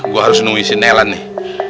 gue harus nungguin sinelan nih